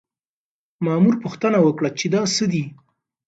مامور پوښتنه وکړه چې دا څه دي؟